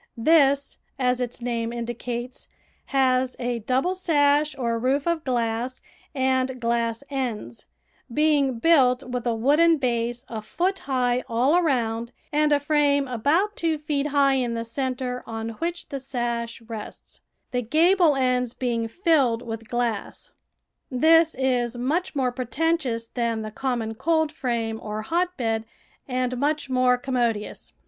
This, as its name indicates, has a double sash or roof of glass and glass ends, being built with a wooden base a foot high all around and a frame about two feet high in the centre on which the sash rests, the gable ends being filled with glass. This is much more preten tious than the common coldframe or hotbed and much more commodious.